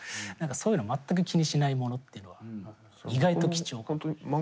そういうのを全く気にしないものっていうのは意外と貴重かも。